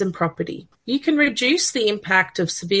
anda dapat mengurangi impak cuaca keras